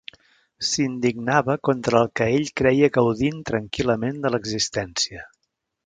S'indignava contra el que ell creia gaudint tranquil·lament de l'existència.